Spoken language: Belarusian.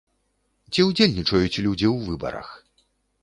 Ці ўдзельнічаюць людзі ў выбарах?